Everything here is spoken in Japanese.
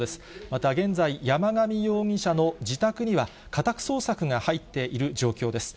また現在、山上容疑者の自宅には、家宅捜索が入っている状況です。